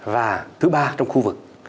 và thứ ba trong khu vực